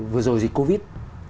vừa rồi dịch covid